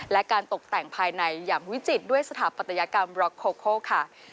และการตกแต่งภายในอย่างวิจิตรด้วยสถาปัตยกรรมบล็อกโคโคค่ะ